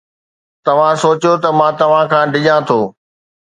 توهان سوچيو ته مان توهان کان ڊڄان ٿو؟